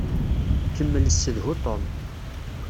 Kemmel ssedhu Tom.